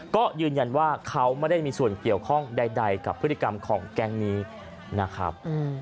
ก็ยืนยันว่าเขาไม่ได้มีส่วนเกี่ยวข้องใดกับพฤติกรรมของแก๊งนี้นะครับ